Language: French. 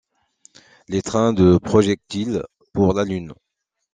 Les trains de projectiles pour la Lune.